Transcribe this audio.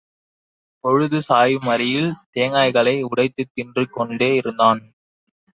பொழுது சாயும் வரையில் தேங்காய்களை உடைத்துத் தின்றுகொண்டே இருந்தான்.